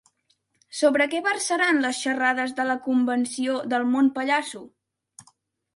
Sobre què versaran les xerrades de la Convenció del Món Pallasso?